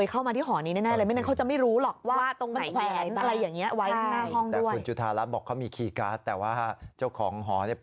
แต่จริงจริง